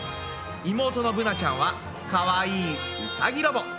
妹のぶなちゃんはかわいいうさぎロボ。